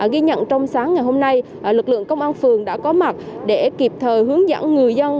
ghi nhận trong sáng ngày hôm nay lực lượng công an phường đã có mặt để kịp thời hướng dẫn người dân